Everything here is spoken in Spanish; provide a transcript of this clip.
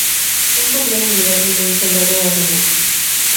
Fue encontrada en el álbum de un soldado alemán.